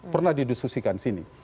pernah didiskusikan sini